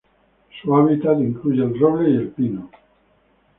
Su hábitat incluye el roble y el pino.